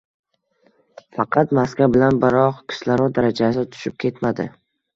Faqat maska bilan, biroq kislorod darajasi tushib ketmadi